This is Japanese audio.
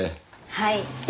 はい。